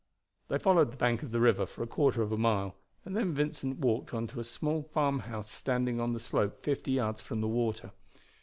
They followed the bank of the river for a quarter of a mile, and then Vincent walked on to a small farmhouse standing on the slope fifty yards from the water.